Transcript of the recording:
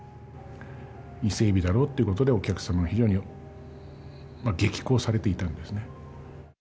伊勢エビだろっていうことでお客様が非常に激高されていたんですね。